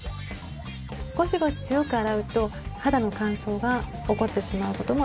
ゴシゴシ強く洗うと肌の乾燥が起こってしまう事もあるんです。